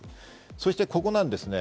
そしてここなんですね。